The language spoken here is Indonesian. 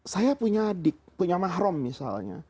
saya punya adik punya mahrum misalnya